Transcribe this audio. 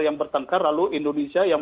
yang bertengkar lalu indonesia yang